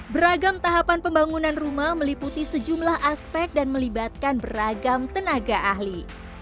beragam tahapan pembangunan rumah meliputi sejumlah aspek dan melibatkan beragam tenaga ahli